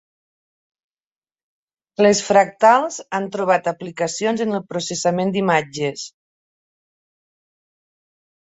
Les fractals han trobat aplicacions en el processament d'imatges.